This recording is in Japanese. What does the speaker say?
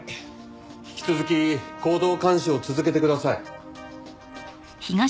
引き続き行動監視を続けてください。